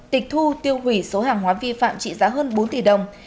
tịch thu tiêu hủy số hàng hóa vi phạm trị giá hơn bốn tỷ đồng